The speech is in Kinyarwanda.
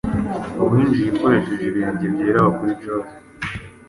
Winjiye ukoresheje ibirenge byera aho kuri Jove